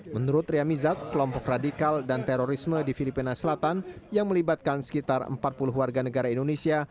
menurut riamizat kelompok radikal dan terorisme di filipina selatan yang melibatkan sekitar empat puluh warga negara indonesia